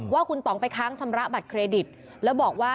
ว่าคุณต้องไปค้างชำระบัตรเครดิตแล้วบอกว่า